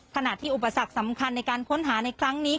ขณะที่อุปสรรคสำคัญในการค้นหาในครั้งนี้